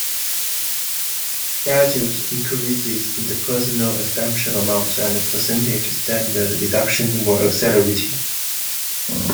Scheduled increases in the personal exemption amount and percentage standard deduction were accelerated.